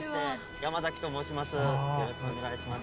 山崎と申します。